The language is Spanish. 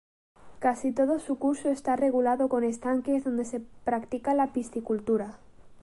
Casi todo su curso está regulado con estanques donde se practica la piscicultura.